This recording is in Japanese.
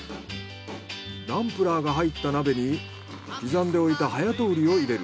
ナンプラーが入った鍋に刻んでおいたハヤトウリを入れる。